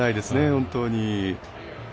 本当に。